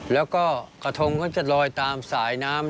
แล้วก็กระทงก็จะลอยตามสายน้ำ